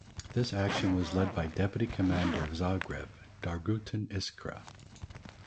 This action was led by deputy commander of "Zagreb" Dragutin Iskra.